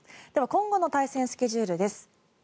では、今後の対戦スケジュールです。